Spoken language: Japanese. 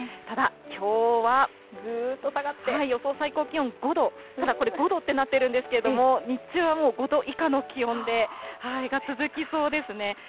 ただきょうはぐーっと下がって、予想最高気温５度、ただこれ、５度ってなってるんですけど、日中はもう５度以下の気温が続きそうですね。